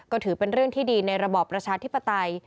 ก็ถือเป็นเรื่องที่ดีในระบอบประชาธิปไตย